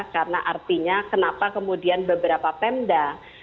karena artinya kenapa kemudian beberapa pemda